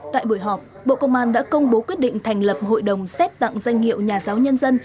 tại buổi họp bộ công an đã công bố quyết định thành lập hội đồng xét tặng danh hiệu nhà giáo nhân dân